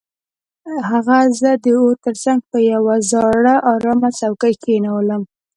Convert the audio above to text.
هغه زه د اور تر څنګ په یو زاړه ارامه څوکۍ کښینولم